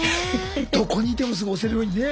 どこにいてもすぐ押せるようにね。